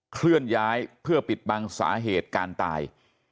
เคลื่อนย้ายเพื่อปิดบังสาเหตุการตาย